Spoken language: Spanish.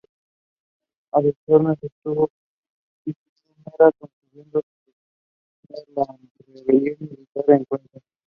A sus órdenes estuvo Cipriano Mera, consiguiendo detener la rebelión militar en Cuenca.